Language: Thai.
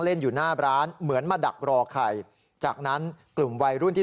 อยู่หน้าร้านเหมือนมาดักรอไข่จากนั้นกลุ่มวัยรุ่นที่